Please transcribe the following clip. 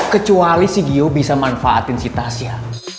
kecuali si gio bisa manfaatin si tasya